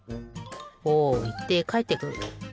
おいってかえってくる。